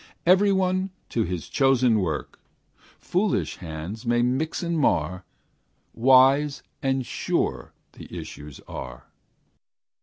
Every one to his chosen work; Foolish hands may mix and mar; Wise and sure the issues are.